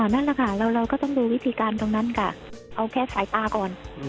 นั่นแหละค่ะเราก็ต้องดูวิธีการตรงนั้นค่ะเอาแค่สายตาก่อน